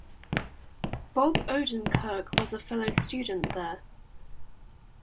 Bob Odenkirk was a fellow student there.